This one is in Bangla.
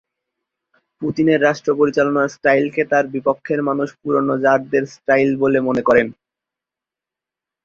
পুতিনের রাষ্ট্রপরিচালনার স্টাইলকে তাঁর বিপক্ষের মানুষ পুরোনো জারদের স্টাইল বলে মনে করেন।